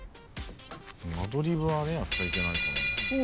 ・アドリブはやっちゃいけないから。